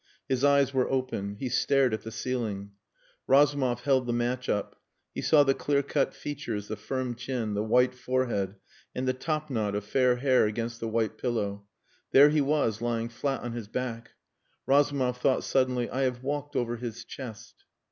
His eyes were open. He stared at the ceiling. Razumov held the match up. He saw the clear cut features, the firm chin, the white forehead and the topknot of fair hair against the white pillow. There he was, lying flat on his back. Razumov thought suddenly, "I have walked over his chest."